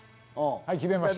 はい決めました